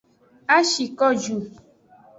A shi ko ju.